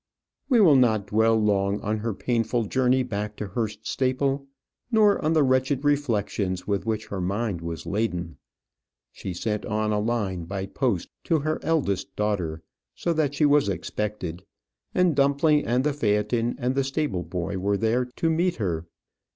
We will not dwell long on her painful journey back to Hurst Staple; nor on the wretched reflections with which her mind was laden. She sent on a line by post to her eldest daughter, so that she was expected; and Dumpling and the phaëton and the stable boy were there to meet her.